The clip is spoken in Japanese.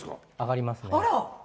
上がりますね。